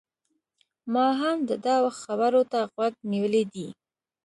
ما هم د ده و خبرو ته غوږ نيولی دی